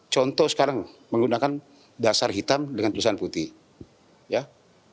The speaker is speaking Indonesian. contoh sekarang menggunakan dasar hitam dengan tulisan putih ya